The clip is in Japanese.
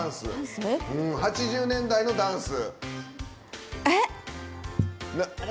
８０年代のダンス。